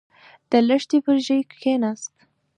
د لښتي پر ژۍکېناست.